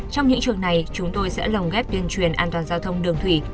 trong những trường này chúng tôi sẽ lồng ghép tuyên truyền an toàn giao thông đường thủy